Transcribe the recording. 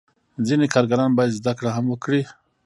ځینې کارګران باید زده کړه هم وکړي.